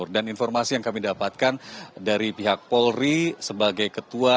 dan informasi yang kami dapatkan dari pihak polri sebagai ketua